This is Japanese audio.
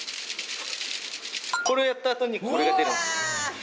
これやったあとにこれが出るんですよ。